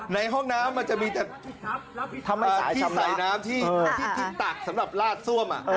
ในห้องน้ำมันจะมีแต่ที่ใส่น้ำที่ตักสำหรับลาดซ่วม